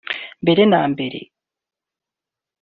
Mbere na mbere